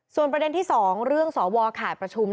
ส่วนประเด็นที่๒เรื่องสวข่ายประชุม